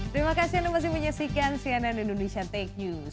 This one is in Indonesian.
terima kasih anda masih menyaksikan cnn indonesia tech news